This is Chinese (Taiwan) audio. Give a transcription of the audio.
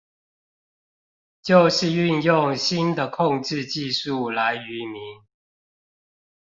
就是運用新的控制技術來愚民